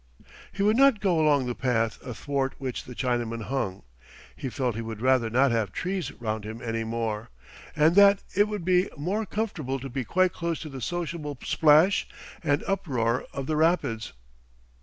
He would not go along the path athwart which the Chinaman hung. He felt he would rather not have trees round him any more, and that it would be more comfortable to be quite close to the sociable splash and uproar of the rapids.